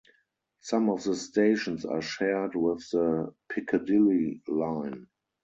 Some of the stations are shared with the Piccadilly line.